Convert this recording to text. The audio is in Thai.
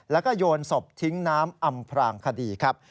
แล้วก็โยนศพทิ้งน้ำอำพรางคดีครับ